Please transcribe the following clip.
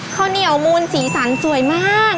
ข้าวเหนียวมูลสีสันสวยมาก